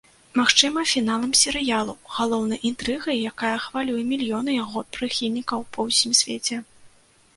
Магчыма, фіналам серыялу, галоўнай інтрыгай, якая хвалюе мільёны яго прыхільнікаў па ўсім свеце.